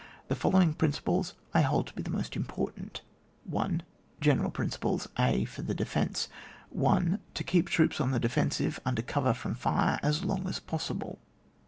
The following principles I hold to be the most important: — I.— GENERAL PRINCIPLES. A, — FOK THE DEFEKOE. 1. To keep troops on the defensive under cover from fire as long as possible.